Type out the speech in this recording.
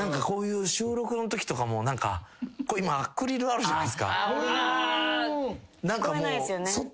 こういう収録のときとかも今アクリルあるじゃないっすか。